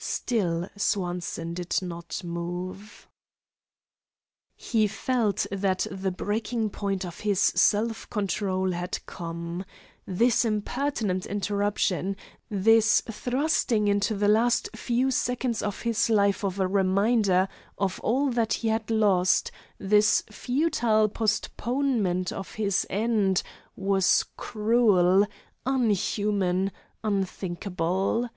Still Swanson did not move. He felt that the breaking point of his self control had come. This impertinent interruption, this thrusting into the last few seconds of his life of a reminder of all that he had lost, this futile postponement of his end, was cruel, unhuman, unthinkable.